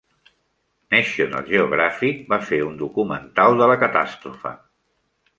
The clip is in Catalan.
National Geographic va fer un documental de la catàstrofe.